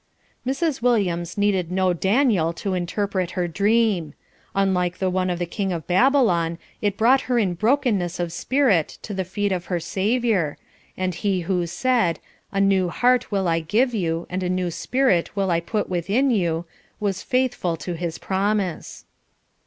Mrs. Williams needed no Daniel to interpret her dream. Unlike the one of the King of Babylon it brought her in brokenness of spirit to the feet of her Saviour; and he who said, "A new heart will I give you, and a new spirit will I put within you," was faithful to his promise.